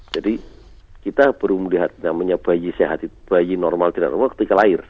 jadi kita baru melihat namanya bayi sehat bayi normal ketika lahir